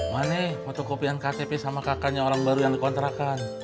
mana fotokopian ktp sama kakaknya orang baru yang dikontrakan